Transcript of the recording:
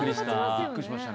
びっくりしましたね。